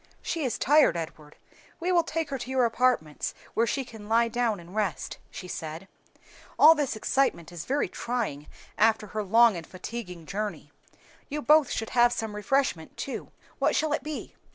"She is tired, Edward; we will take her to your apartments, where she can lie down and rest," she said. "All this excitement is very trying after her long and fatiguing journey. You both should have some refreshment too. What shall it be?"